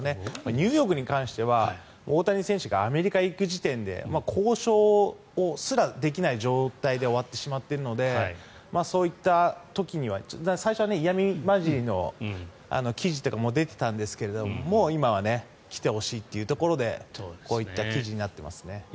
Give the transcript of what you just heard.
ニューヨークに関しては大谷選手がアメリカに行く時点で交渉すらできない状態で終わってしまっているのでそういった時には最初は嫌味交じりの記事とかも出ていたんですがもう今は来てほしいというところでこういった記事になってますね。